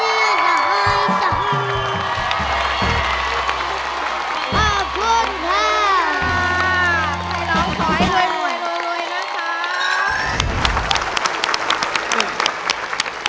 ให้เราขอให้รวยรวยรวยรวยรวยนะคะ